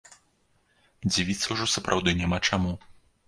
Дзівіцца ўжо сапраўды няма чаму.